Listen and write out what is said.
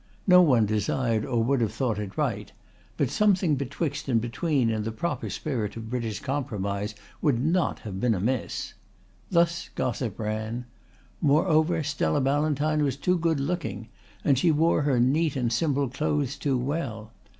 No one desired or would have thought it right, but something betwixt and between in the proper spirit of British compromise would not have been amiss. Thus gossip ran. More over Stella Ballantyne was too good looking, and she wore her neat and simple clothes too well.